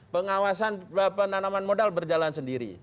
pengawasan penanaman modal berjalan sendiri